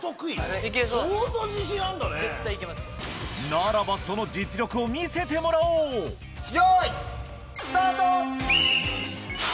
ならばその実力を見せてもらおうよい。